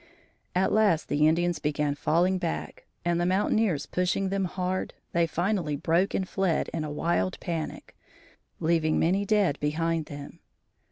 At last the Indians began falling back and the mountaineers pushing them hard, they finally broke and fled in a wild panic, leaving many dead behind them.